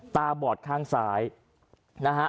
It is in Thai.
ตาบอดข้างซ้ายนะฮะ